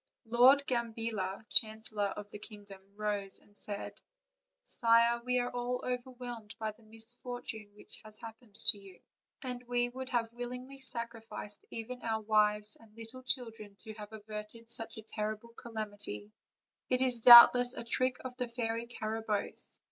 Lord Gambilla, chancel lor of the kingdom, rose and said: "Sire, we are all over whelmed by the misfortune that has happened to you, and we would have willingly sacrificed even our wives and little children to have averted such a terrible calam ity; it is doubtless a trick of the Fairy Carabosse.